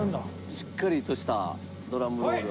しっかりとしたドラムロール。